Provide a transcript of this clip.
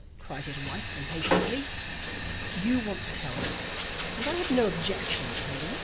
cried his wife, impatiently. "You want to tell me, and I have no objection to hearing it."